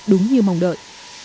đúng như mong đợi